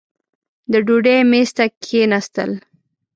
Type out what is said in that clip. د ډوډۍ مېز ته کښېنستل.